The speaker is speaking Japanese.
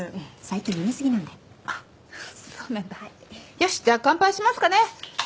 よしじゃあ乾杯しますかね。